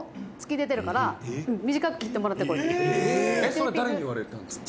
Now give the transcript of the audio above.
「それ誰に言われたんですか？」